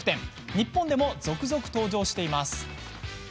日本でも、続々登場しています。